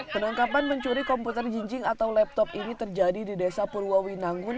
penangkapan pencuri komputer jinjing atau laptop ini terjadi di desa purwawi nanggun